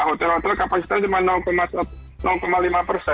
hotel hotel kapasitas dimana